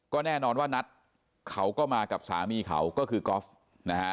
ก็แน่นอนว่านัทเขาก็มากับสามีเขาก็คือกอล์ฟนะฮะ